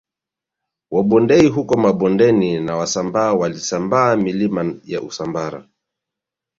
Wabondei huko Mabondeni na Wasambaa walisambaa milima ya Usambara